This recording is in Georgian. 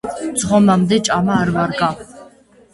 ძღომამდე ჭამა არ ვარგა.